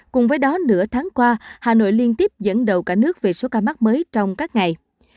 cùng với đó nửa tháng qua hà nội liên tiếp dẫn đầu cả nước về số ca mắc mới trong các ngày